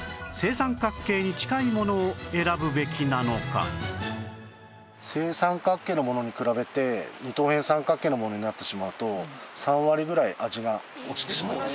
さらによく見ると形は正三角形のものに比べて二等辺三角形のものになってしまうと３割ぐらい味が落ちてしまいます。